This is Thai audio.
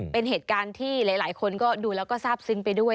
เป็นเหตุการณ์ที่หลายคนก็ดูแล้วก็ทราบซึ้งไปด้วย